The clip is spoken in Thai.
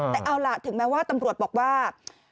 แต่เอาล่ะถึงแม้ว่าตำรวจบอกว่า